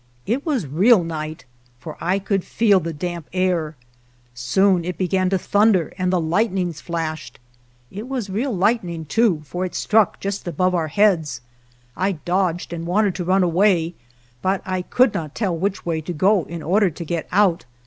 It was real night, for I could feel the damp air; soon it began to thunder, and the light nings flashed ; it was real lightning, too, for it struck just above our heads. I dodged and wanted to run away, but I could not tell which way to go in order to get out.